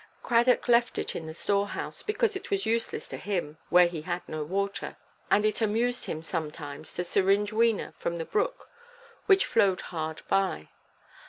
Cradock left it in the storehouse, because it was useless to him where he had no water, and it amused him sometimes to syringe Wena from the brook which flowed hard by.